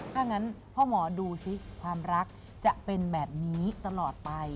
ถ้างั้นพ่อหมอดูซิความรักจะเป็นแบบนี้ตลอดไป